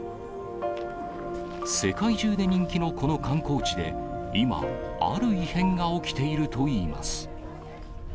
世界中で人気のこの観光地で今、ある異変が起きているといいます。